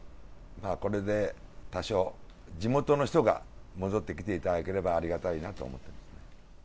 これで多少、地元の人が戻ってきていただければありがたいなと思っています。